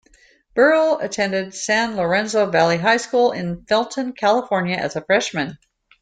Burrell attended San Lorenzo Valley High School in Felton, California, as a freshman.